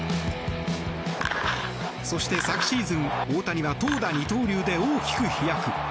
そして昨シーズン大谷は投打二刀流で大きく飛躍。